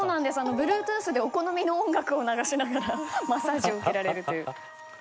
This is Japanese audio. Ｂｌｕｅｔｏｏｔｈでお好みの音楽を流しながらマッサージを受けられるという。